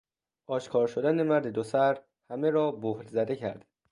آشکار شدن مرد دوسر همه را بهت زده کرد.